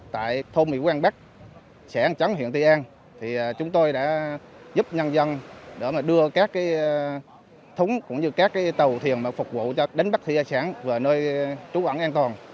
tại thôn mỹ quang bắc sẻng trắng hiện tây an chúng tôi đã giúp nhân dân đưa các thúng cũng như các tàu thuyền phục vụ cho đến bắc thị a sáng về nơi trú ẩn an toàn